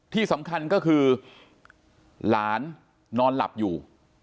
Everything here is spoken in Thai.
ที่สำคัญก็คือหลานนอนหลับอยู่